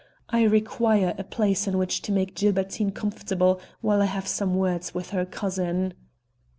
I require a place in which to make Gilbertine comfortable while I have some words with her cousin."